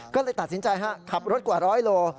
ก็เลยตัดสินใจขับรถกว่า๑๐๐โล